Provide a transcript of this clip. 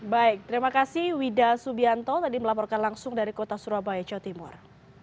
baik terima kasih wida subianto tadi melaporkan langsung dari kota surabaya jawa timur